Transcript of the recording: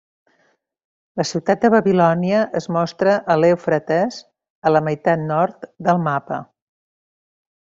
La ciutat de Babilònia es mostra a l'Eufrates, a la meitat nord del mapa.